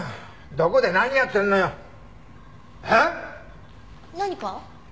どこで何やってるのよ？えっ！？何か？